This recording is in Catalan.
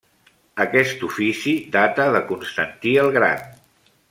Aquest ofici data de Constantí el Gran.